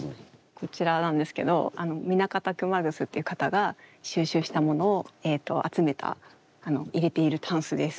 こちらなんですけど南方熊楠っていう方が収集したものを集めた入れている箪笥です。